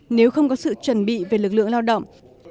nếu không có sự chuẩn bị về lực lượng lao động